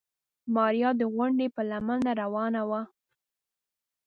ماريا د غونډۍ په لمنه روانه وه.